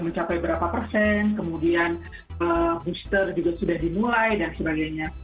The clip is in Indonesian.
mencapai berapa persen kemudian booster juga sudah dimulai dan sebagainya